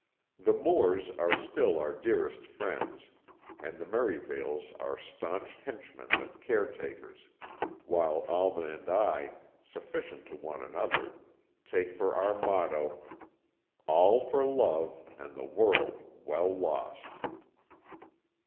The Moores are still our dearest friends, and the Merivales our staunch henchmen and caretakers; while Alma and I, sufficient to one another, take for our motto: "All for Love, and the World Well Lost!"